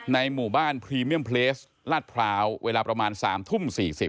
ในหมู่บ้านพรีเมียมเพลสลาดพร้าวเวลาประมาณ๓ทุ่ม๔๐